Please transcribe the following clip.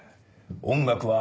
「音楽は」。